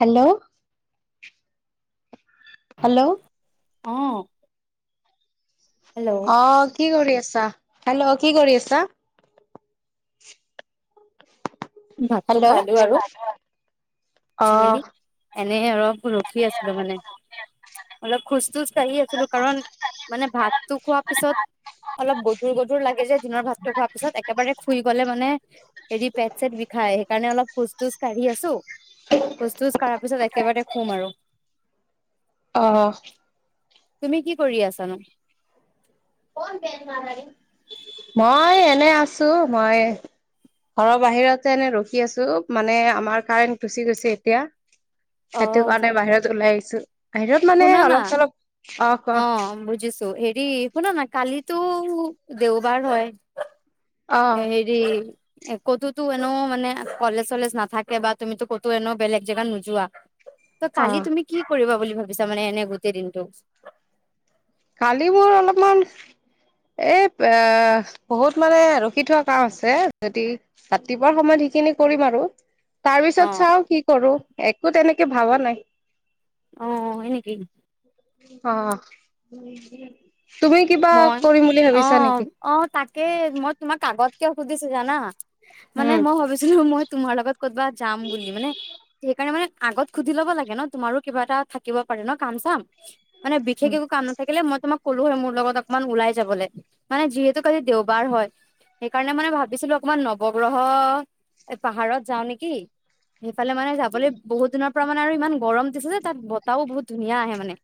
Hello hello অঁ অ কি কৰি আছা? হেল্ল' কি কৰি আছা? ভাতটো খালো আৰু হ'ব ঠি মেলি, এনে অৰপ ৰখি আছিলো মানে, অলপ খোজ-তোজ কাঢ়ি আছিলো কাৰণ মানে ভাতটো খোৱাৰ পিছত অলপ গধুৰ গধুৰ লাগে যে দিনৰ ভাতটো খোৱাৰ পিছত একেবাৰে খুই গ'লে মানে হেৰি পেট চেট বিষাই সেইকাৰণে অলপ খোজ-তোজ কাঢ়ি আছো- [unintelligible] খোজ-তোজ কৰাৰ পিছত একেবাৰে খুম আৰু। অ তুমি কি কৰি আছানো? মই এনে আছোঁ, মই ঘৰৰ বাহিৰতে এনে ৰখি আছোঁ, মানে আমাৰ কাৰেণ্ট গুচি গৈছে এতিয়া সেইটো অ', কাৰণে বাহিৰত ওলাই আহিছো। বাহিৰত মানে অলপ-চলপ, অ কোৱা বুজিছোঁ। হেৰি, শুনা'না কালিতো দেওবাৰ হয় অ হে হেৰি এ ক'তোতো এনেও মানে কলেজ-চলেজ নাথাকে বা তুমিতো ক'তো এনে বেলেগ জেগাত নোযোৱা [inaudible] ত কালি তুমি কি কৰিবা বুলি ভাবিছা মানে এনে গোটেই দিনটো? কালি মই অলপমান এই এ বহুত মানে ৰখি থোৱা কাম আছে যদি ৰাতিপুৱা সময়ত সেইখিনি কৰিম আৰু। তাৰ পিছত অ', চাও কি কৰো একো তেনেকে ভাবা নাই। অ হয় নেকি। অ তুমি কিবা মই কৰিম বুলি ভাবিছা অ', নেকি? অ তাকে মই তোমাক আগত কিয় সুধিছো জানা? মানে মই উম ভাবিছিলো মই তোমাৰ লগত ক'ৰবাত যাম বুলিি মানে সেইকাৰণে মানে আগত সুধি লব লাগে ন তোমাৰো কিবা এটা থাকিব পাৰে ন কাম-চাম। মানে বিশেষ একো কাম নাথাকিলে মই তোক কলো হৈ মোৰ লগত অকমান ওলাই যাবলৈ, মানে যিহেতু কালি দেওবাৰ হয় সেইকাৰণে মানে ভাবিছিলো অকমান নৱগ্ৰহ পাহাৰত যাও নেকি। সেইফালে মানে যাবলৈ বহুত দিনৰ পৰা মানে আৰু ইমান গৰম দিছে যে তাত বতাহও বহুত ধুনীয়া আহে মানে।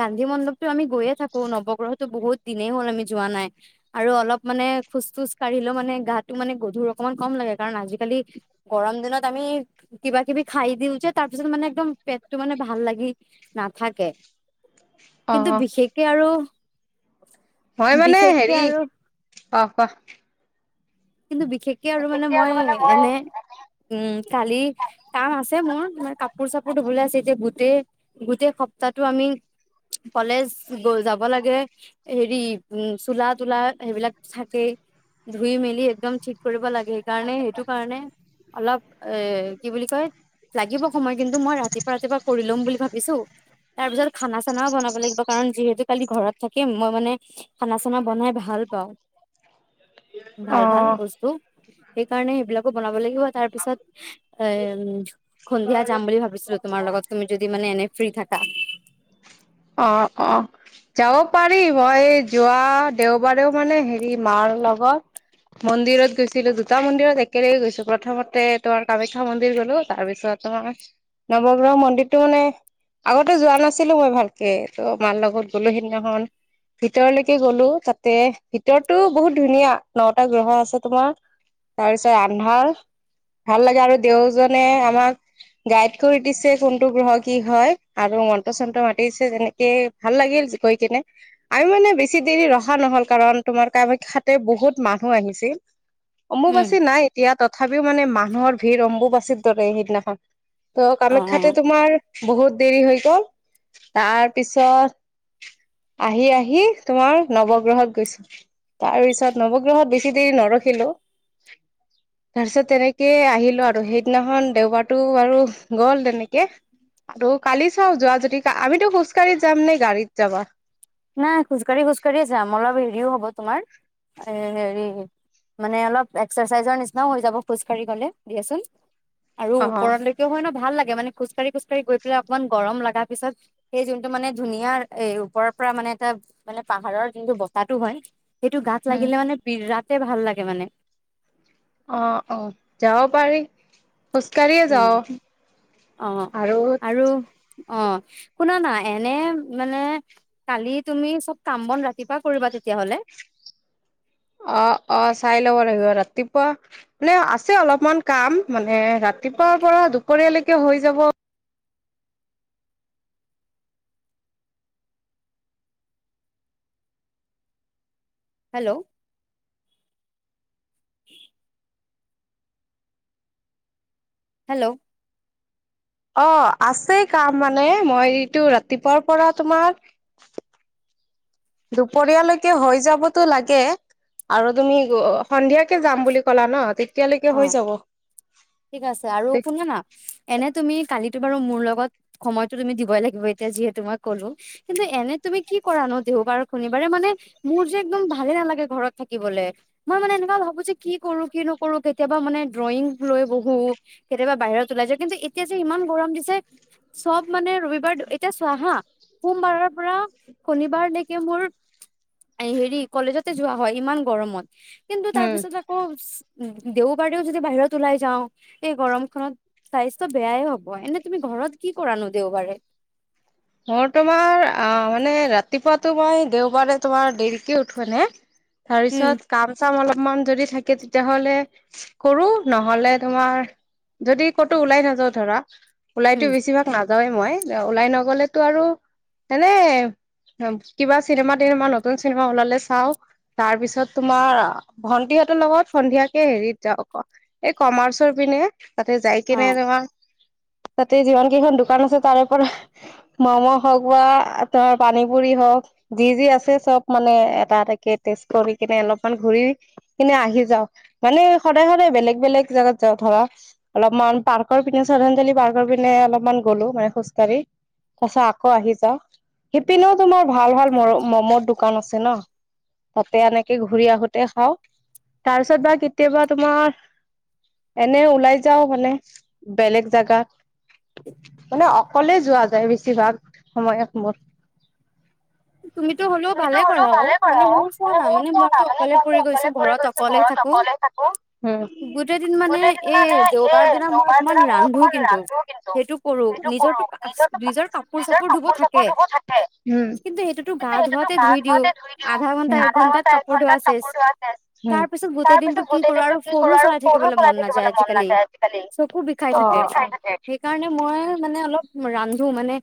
গান্ধী মণ্ডপতটো আমি গৈয়ে থাকো নৱগ্ৰহতো বহুত দিনেই হ'ল আমি যোৱা নাই। আৰু অলপ মানে খোজ-খোজ কাঢ়িলেও মানে গাটো মানে গধুৰ অকমান কম লাগে। কাৰণ আজিকালি গৰম দিনত আমি কিবা কিবি খাই দিওঁ যে তাৰ পিছত মানে একদম পেটটো মানে ভাল লাগি নাথাকে। অ কিন্তু অ বিশেষকে আৰু মই মানে বিশেষকে হেৰি আৰু অ ক কিন্তু বিশেষকে আৰু মানে মই এনে উম কালি কাম আছে মোৰ মানে কাপোৰ-চাপোৰ ধুবলৈ আছে, এতিয়া গোটেই গোটেই সপ্তাহো আমি কলেজ গ যাব লাগে, হেৰি উ চোলা-তোলা সেইবিলাক থাকে ধুই মেলি একদম ঠিক কৰিব লাগে, সেইকাৰণে সেইটো কাৰণে অলপ এ কি বুলি কয় লাগিব সময় কিন্তু মই ৰাতিপুৱা ৰাতিপুৱা কৰি লম বুলি ভাবিছোঁ। তাৰ পিছত খানা-চানাও বনাব লাগিব কাৰণ যিহেতু কালি ঘৰত থাকিম। মই মানে খানা-চানা বনাই ভাল পাওঁ। [inaudible] ভাল ভাল অ বস্তু সেইকাৰণে সেইবিলাকো বনাব লাগিব তাৰ পিছত এ উম সন্ধিয়া যাম বুলি ভাবিছিলোঁ তোমাৰ লগত তুমি যদি মানে এনে ফ্ৰী থাকা। অ অ। যাব পাৰি, মই যোৱা দেওবাৰেও মানে হেৰি মাৰ লগত মন্দিৰত গৈছিলো। দুটা মন্দিৰত একেলগে গৈছো, প্ৰথমতে তোমাৰ কামাখ্যা মন্দিৰ গলো তাৰপিছত ত নৱগ্ৰহ মন্দিৰটো মানে আগতে যোৱা নাছিলোঁ মই ভালকে ত' মাৰ লগত গ'লো সেইদিনাখন ভিতৰলৈকে গ'লো তাতে, ভিতৰতো বহুত ধুনীয়া। নটা গ্ৰহ আছে তোমাৰ। তাৰপিছত আন্ধাৰ। ভাল লাগে আৰু দেওজনে আমাক গাইড কৰি দিছে কোনটো গ্ৰহ কি হয়। আৰু মন্ত্ৰ-চন্ত মাতিছে যেনেকে ভাল লাগিল গৈ কিনে। আমি মানে বেছি দেৰি ৰহা নহ'ল কাৰণ তোমাৰ কামাখ্যাতে বহুত মানুহ আহিছিল। উম অম্বুবাচী নাই এতিয়া তথাপিওঁ মানে মানুহৰ ভিৰ অম্বুবাচীৰ দৰে সেইদিনাখন। ত অ অ কামাখ্যাতে তোমাৰ বহুত দেৰি হৈ গ'ল, তাৰ পিছত আহি আহি তোমাৰ নৱগ্ৰহত গৈছোঁ। তাৰ পিছত নৱগ্ৰহত বেছি দেৰি নৰখিলোঁ। তাৰপিছত তেনেকে আহিলোঁ আৰু সেইদিনাখন দেওবাৰটো বাৰু গ'ল তেনেকে। আৰু কালি চাও যোৱা যদি আমিতো খোজকাঢ়ি যাম, নে গাড়ীত যাবা? নাই খোজকাঢ়ি খোজকাঢ়িয়ে যাম অলপ হেৰিও হব তোমাৰ এ হেৰি মানে অলপ এক্সাৰচাইজৰ নিচিনাও হৈ যাব খোজ কাঢ়ি গলে দিয়াছোন আৰু অ ওপৰলৈ লৈকে হয় ন ভাল লাগে মানে খোজকাঢ়ি খোজকাঢ়ি গৈ পেলায় অকমান গৰম লাগা পিছত সেই যোনটো মানে ধুনীয়া এ ওপৰ পৰা মানে এটা মানে পাহাৰৰ যোনটো বতাহ টো হয় সেইটো গাত হম লাগিলে মানে বিৰাট তে ভাল লাগে মানে। অ অ যাব পাৰি। খোজকাঢ়িয়ে যাওঁ উম অ আৰু অ শুনা না এনে মানে কালি তুমি চব কাম বন ৰাতিপুৱা কৰিবা তেতিয়া হ'লে। অ অ চাই ল'ব লাগিব ৰাতিপুৱা মানে আছে অলপমান কাম মানে ৰাতিপুৱাৰ পৰা দুপৰীয়ালৈকে হৈ যাব হেল্ল হেল্ল অ আছেই কাম মানে মই এইটো ৰাতিপুৱাৰ পৰা তোমাৰ দুপৰীয়ালৈকে হৈ যাবতো লাগে। আৰু তুমি সন্ধিয়াকে যাম বুলি ক'লা ন তেতিয়ালৈকে অ হৈ যাব। ঠিক আছে আৰু শুনা না এনে তুমি কালিতো বাৰু মোৰ লগত সময়তো তুমি দিবই লাগিব এতিয়া যিহেতু মই ক'লো কিন্তু এনে তুমি কি কৰানো দেওবাৰ, শনিবাৰে মানে মোৰ যে একদম ভালে নালাগে ঘৰত থাকিবলে মই মানে এনেকুৱা ভাবোঁ যে কি কৰো কি নোক কৰো কেতিয়াবা মানে ড্ৰয়িং লৈ বহোঁ কেতিয়াবা বাহিৰত ওলাই যাওঁ কিন্তু এতিয়া যে ইমান গৰম দিছে চব মানে ৰবিবাৰ এতিয়া চোৱা হা সোমবাৰৰ পৰা শনিবাৰলেকে মোৰ হেৰি কলেজতে যোৱা হয় ইমান গৰমত কিন্তু তাৰ হম পিছত আকৌ দেওবাৰেও যদি বাহিৰত ওলাই যাওঁ এই গৰমখনত স্বাস্থ্য বেয়াই হব এনে তুমি ঘৰত কি কৰানো দেওবাৰে? মোৰ তোমাৰ আ মানে ৰাতিপুৱাতো মই দেওবাৰে তোমাৰ দেৰিকে উঠো মানে তাৰ উম পিছত কাম-চাম অলপমান যদি থাকে তেতিয়া হ'লে কৰো নহলে তোমাৰ যদি ক'তো ওলাই নাযাও ধৰা। ওলাইতো উম বেছিভাগ নাযাওৱে মই ওলাই নগলেতো আৰু এনে কিবা চিনেমা তিনেমা নতুন চিনেমা ওলালে চাওঁ তাৰ পিছত তোমাৰ ভন্টিহঁতৰ লগত সন্ধিয়াকে হেৰিত যাওঁ এই কমাৰ্চৰ পিনে। তাতে যাই অ কিনে তোমাক তাতে যিমান কেইখন দোকান আছে তাৰে পৰা ম'ম' হওঁক বা তা পানী পুৰি হওঁক যি যি আছে চব মানে এটা এটাকে তেজ কৰি কিনে অলপমান ঘূৰি। কিনে আহি যাওঁ মানে সদায় সদায় বেলেগ বেলেগ জাগাত যাওঁ ধৰা। অলপমান পাৰ্কৰ পিনে শ্ৰদ্ধাঞ্জলি পাৰ্কৰ পিনে অলপমান গ'লো মানে খোজকাঢ়ি। পাছত আকৌ আহি যাওঁ সিপিনেও তোমাৰ ভাল ভাল ম মমৰ দোকান আছে ন। তাতে এনেকে ঘূৰি আহোতে খাওঁ তাৰপিছত বা কেতিয়াবা তোমাৰ। এনে ওলাই যাওঁ মানে বেলেগ জেগা মানে অকলেই যোৱা যায় বেছিভাগ সময় সময়ত মোৰ। তুমিতো হ'লেও তুমিতো ভালে হলেও কৰা অ ভালে কৰা মানে অ মোৰ চোৱা মানে না বহুত মই পা যে মানে অকলে ঘ পৰি গৈছো অকলে ফুৰিব ঘৰত গৈছো অকলে ঘৰত থাকো অকলে। থাকো গোটেই দিন মানে গোটেই দিন এই মানে দেওবাৰ এই দিনা মই দেউবাৰ অকমান দিনা মই ৰান্ধো অকমান কিন্তু ৰান্ধো কিন্তু। সেইটো কৰো সেইটো কৰো নিজৰটো নিজৰত নিজৰ কাপোৰ- চাপোৰ ধুব থাকে। কিন্তু গা সেইটোতো ধোৱাতে গা ধুই দিও ধুৱতে ধুই আধা ঘন্টা দিওঁ এক আধা ঘন্টাত ঘন্টা এক কাপোৰ ধোৱা ঘণ্টাত চেচ কাপোৰ ধোৱা শেষ। তাৰ পিছত গোটেই তাৰ দিনটো পিছত কি গোটেই কৰো আৰু দিনটো কি ফোনো কৰো আৰু চলাই ফোনো থাকিবলৈ মন চলাই নাযায় থাকিবলৈ মন আজিকালি নাযায় আজিকালি। চকু বিষাই থাকে অ। সেইকাৰণে মই মানে অলপ ৰান্ধো মানে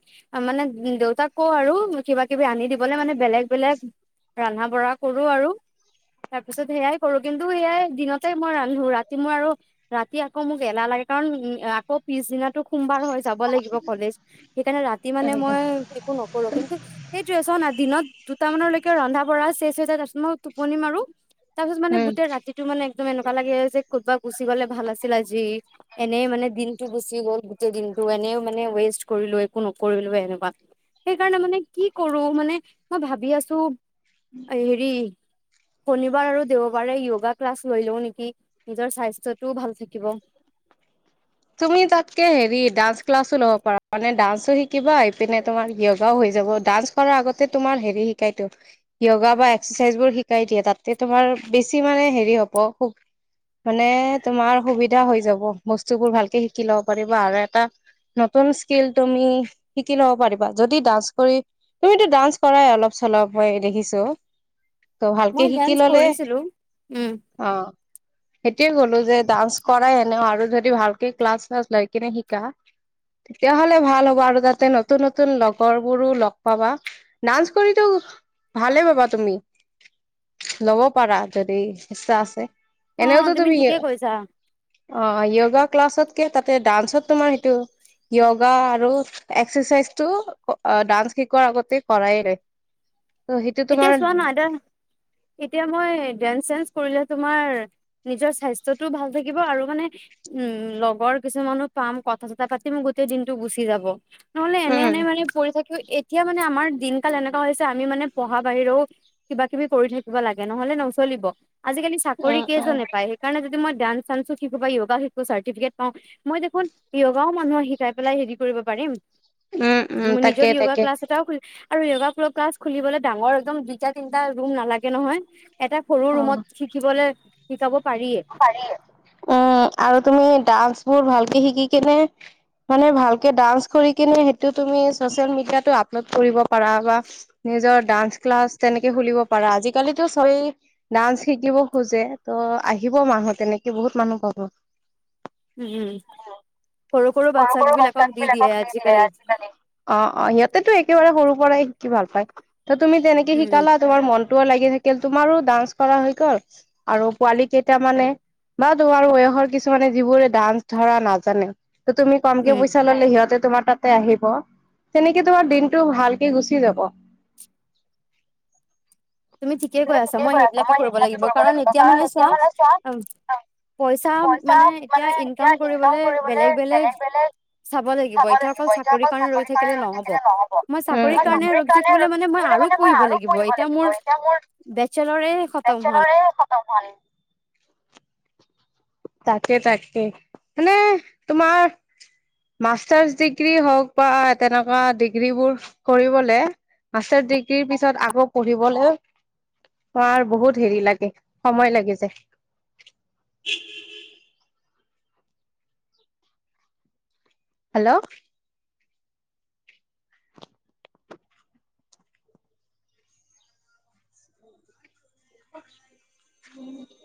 মানে দেউতাক কওঁ আৰু কিবা। কিবি আনি দিবলে মানে বেলেগ বেলেগ ৰন্ধা বঢ়া কৰো। আৰু তাৰ পিছত সেইয়াই কৰো কিন্তু সেইয়াই দিনতেই মই ৰান্ধো। ৰাতি মই আৰু ৰাতি আকৌ মোক এলাহ লাগে কাৰণ আকৌ পিছদিনাটো সোমবাৰ হয়। যাব লাগিব কলেজ সেইকাৰণে ৰাতি মানে মই উম একো নকৰো কিন্তু। সেইটোৱে চৱো না দিনত দুটামানলৈকে ৰন্ধা বঢা শেষ হৈ যায় তাৰছত মই টোপনি মাৰো। তাৰ পিছত মানে উম। গোটেই ৰাতিটো মানে একদম এনেকুৱা লাগে যে ক'বা গুচি গ'লে ভাল আছিল আজি। এনেই মানে দিনটো গুচি গ'ল গোটেই দিনতটো এনেই মানে ৱেষ্ট কৰিলো একো নকৰিলো এনেকুৱা। সেইকাৰণে মানে কি কৰো মানে মই ভাবি আছো হেৰি। শনিবাৰ আৰু দেওবাৰে য়োগা ক্লাছ লৈ লও নেকি নিজৰ স্বাস্থ্যটোও ভাল থাকিব। তুমি তাতকে হেৰি ডান্স, ক্লাছো ল'ব পাৰা মানে ডান্সো শিকিবা আহিপিনে তোমাৰ য়গাও হৈ যাব ডান্স। কৰাৰ আগতে তোমাৰ হেৰি শিকাইতো। য়োগা বা এক্সাৰচাইজ বোৰ শিকাই দিয়ে তাতে তোমাৰ বেছি মানে হেৰি হ'ব খুব। মানে তোমাৰ সুবিধা হৈ যাব বস্তুবোৰ ভালকে শিকি লব পাৰিব আৰু এটা। নতুন স্কিল তুমি শিকি লব পাৰিবা যদি ডান্স, কৰি। তুমিতো ডান্স কৰাই অলপ চলপ মই দেখিছো। ত ভালকে মই শিকি ডান্স ললে। কৰিছিলো উম অ সেইটোয়ে কলো যে ডান্স কৰাই হেনেও আৰু যদি ভাল। ক্লছ চালাছ লৈ কিনে শিকা। তেতিয়া হ'লে ভাল হ'ব আৰু তাতে নতুন নতুন লগৰ বোৰো লগ পাবা। ডান্স কৰিতো ভালে পাবা তুমি। ল'ব পাৰা যৰি ইচ্ছা আছে অ এনেওতো তুমি তুমিয য় ঠিকে কৈছা অ য়োগা ক্লাছতকে তাতে ডান্সত তোমাৰ সেইটো। য়োগা, আৰু এক্সাৰচাইজ, টো ডান্স শিকোৱাৰ আগতে কৰাই লয়। ত সেইটো এতিয়া তোমাৰ। চোৱা না এতিয়া এতিয়া মই ডেন্স- চেন্স কৰিলে তোমাৰ নিজৰ স্বাস্থ্যতটোও ভাল থাকিব। আৰু মানে উম লগৰ কিছুমানো পাম কথা চথা পাতিম গোটেই দিনটো গুচি যাব। নহলে এনে এনেই উম, মানে পৰি থাকি এতিয়া মানে আমাৰ দিনকাল এনেকুৱা হৈছে আমি মানে পঢ়া বাহিৰেও কিবা কিবি কৰি থাকিব লাগে নহলে নচলিব আজিকালি- চাকৰি উম, উম, কেইজন নাপায়। সেইকাৰণে যদি মই ডাণ্স চাণ্স শিকো বা যোগা শিকো চাৰফিকেট পাওঁ। মই দেখোন য়গাও মানুহক শিকাই পেলাই হেৰি কৰিব পাৰিম। উম, উম, মোৰ তাকে নিজৰ য়োগা, তাকে ক্লছ এটাও খলি আৰু য়োগা, ক্লাছ খুলিবলৈ ডাঙৰ একদম দুইটা তিনিটা ৰুম নালাগে নহয়। এটা সৰু অ'। ৰুমত শিকিবলে শিকাব পাৰিয়ে। উম আৰু তুমি ডান্স বোৰ ভালকে শিকি কেনে। মানে ভালকে ডান্স, কৰি কিনে সেইটো তুমি চচিয়েল মিডিয়টো আপলোড কৰিব পাৰা বা। নিজৰ ডান্স ক্লাছ তেনেকে খুলিব পাৰা আজিকালিটো চবেই। ডান্স শিকিব খোজে, ত' আহিব মানুহ তেনেকে বহুত মানুহ পাব। উম উম সৰু সৰু [unintelligible] বাচ্ছাক বিলাকক দি আছিল দিয়ে আজিকালি মান অ অ, সিহঁতেতো একেবাৰে সৰু পৰাই শিকি ভাল পায়, ত তুমি তেনেকে উম শিকালা তোমাৰ মনটোও লাগি থাকিল, তোমাৰো ডান্স কৰা হৈ গ'ল আৰু পোৱালি কেইটা মানে বা তোমাৰ বয়সৰ কিছুমানে যিবোৰে ডান্স ধৰা নাজানে, ত তুমি কমকে উম পইচা ললে সিহঁতে তোমাৰ তাতে আহিব তেনেকে তোমাৰ দিনটো ভালকে গুচি যাব। তুমি ঠিকে কৈ আছা, মই সেইবিলাকে কৰিব লাগিব কাৰণ এতিয়া মানে চোৱা আম পইচা মানে এতিয়া ইনকাম কৰিবলে বেলেগ - বেলেগ চাব লাগিব এতিয়া অকল চাকৰি কাৰণে ৰৈ থাকিলে নহব মই চাকৰিৰ কাৰণে ৰখি থাকিবলৈ মানে মই আৰু পঢ়িব লাগিব এতিয়া মোৰ বেচেলৰে খতম হোৱা নাই বেচেলৰে [unintelligible] ভাল। তাকে তাকে মানে তোমাৰ মাষ্টাৰ্চ ডিগ্ৰী হওক বা তেনেকুৱা ডিগ্ৰীবোৰ কৰিবলে মাষ্টাৰ ডিগ্ৰীৰ পিছত আকৌ পঢ়িবলে তোমাৰ বহুত হেৰি লাগে, সময় লাগি যায়। হেল্ল'? উ উম